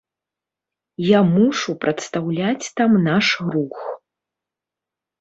Я мушу прадстаўляць там наш рух!